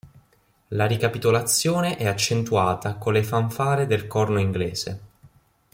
La ricapitolazione è accentuata con le fanfare del corno inglese.